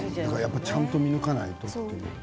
ちゃんと見抜かないと。